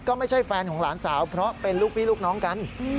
ก็ไม่ใช่แฟนของหลานสาวเพราะเป็นลูกพี่ลูกน้องกัน